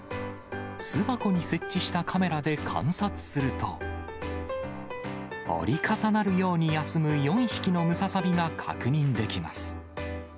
巣箱に設置したカメラで観察すると、折り重なるように休む４匹のムササビが確認できます。